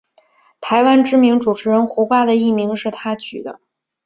台湾知名主持人胡瓜的艺名是他取的。